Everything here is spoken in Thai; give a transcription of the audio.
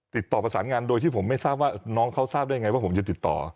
ติดต่อประสานงานโดยที่ผมไม่ทราบว่าน้องเขาทราบได้ไงว่าผมจะติดต่อ